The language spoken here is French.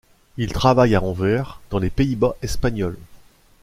Il travaille à Anvers dans les Pays-Bas espagnols.